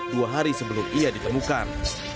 dua hari sebelum ia ditemukan